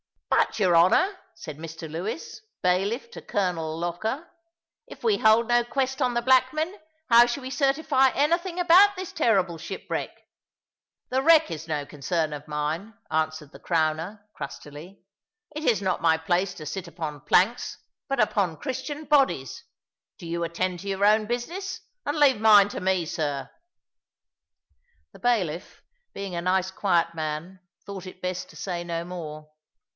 "But, your Honour," said Mr Lewis, bailiff to Colonel Lougher, "if we hold no quest on the black men, how shall we certify anything about this terrible shipwreck?" "The wreck is no concern of mine," answered the Crowner, crustily: "it is not my place to sit upon planks, but upon Christian bodies. Do you attend to your own business, and leave mine to me, sir." The bailiff, being a nice quiet man, thought it best to say no more.